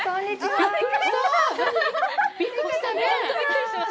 はい。